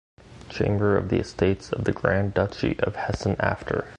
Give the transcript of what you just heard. Chamber of the Estates of the Grand Duchy of Hessen after.